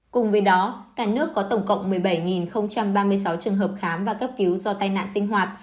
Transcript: cùng với đó cả nước có tổng cộng một mươi bảy ba mươi sáu trường hợp khám và cấp cứu do tai nạn sinh hoạt